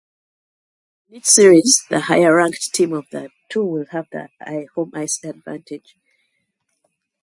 In each series, the higher-ranked team of the two will have home-ice advantage.